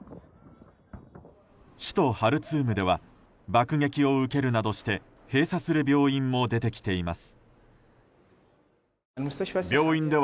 首都ハルツームでは爆撃を受けるなどして閉鎖する病院も出てきています。